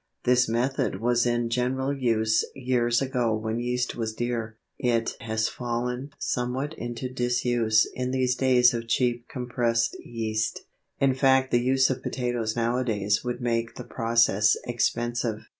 This method was in general use years ago when yeast was dear. It has fallen somewhat into disuse in these days of cheap compressed yeast, in fact the use of potatoes nowadays would make the process expensive.